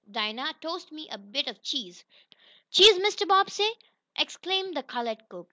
Dinah, toast me a bit of cheese." "Cheese, Massa Bobbsey!" exclaimed the colored cook.